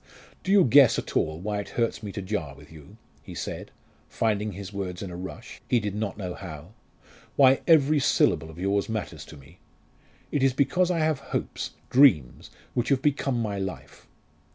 "Do you guess at all why it hurts me to jar with you?" he said finding his words in a rush, he did not know how "Why every syllable of yours matters to me? It is because I have hopes dreams which have become my life!